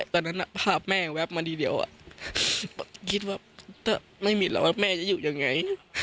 ตอนนั้นภาพแม่แป๊บมาทีเดียวคิดว่าถ้าไม่มีแล้วแม่จะอยู่ยังไง